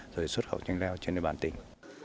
rồi xuất khẩu chanh leo trên địa bàn tỉnh